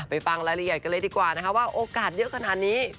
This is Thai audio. ฟังรายละเอียดกันเลยดีกว่านะคะว่าโอกาสเยอะขนาดนี้